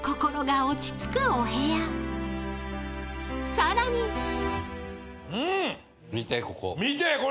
［さらに］見てここ。